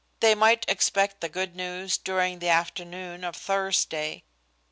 They might expect the good news during the afternoon of Thursday.